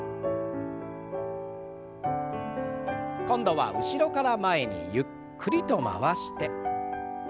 今度は後ろから前にゆっくりと回して。